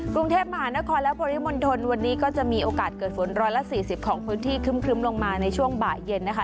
กรุงเทพมหานครและปริมณฑลวันนี้ก็จะมีโอกาสเกิดฝน๑๔๐ของพื้นที่ครึ้มลงมาในช่วงบ่ายเย็นนะคะ